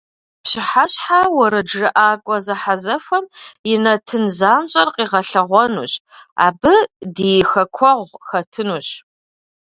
Пщыхьэщхьэ уэрэджыӏакӏуэ зэхьэзэхуэм и нэтын занщӏэр къигъэлъэгъуэнущ, абы ди хэкуэгъу хэтынущ.